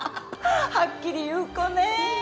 はっきり言う子ねえ。